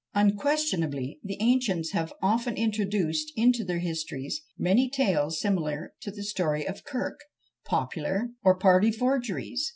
Unquestionably the ancients have often introduced into their histories many tales similar to the story of Kirk popular or party forgeries!